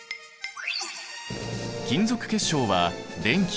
金属結晶は電気を通す。